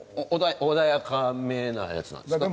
穏やかめなやつなんですか？